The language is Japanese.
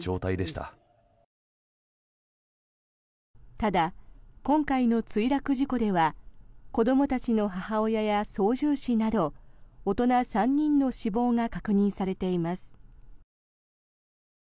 ただ、今回の墜落事故では子どもたちの母親や操縦士など大人３人の死亡が確認されています。